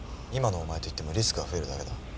今のお前と行ってもリスクが増えるだけだ。